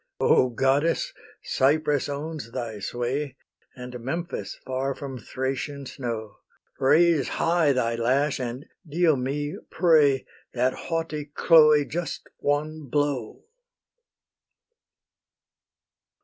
O Goddess! Cyprus owns thy sway, And Memphis, far from Thracian snow: Raise high thy lash, and deal me, pray, That haughty Chloe just one blow!